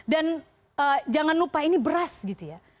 dan jangan lupa ini beras gitu ya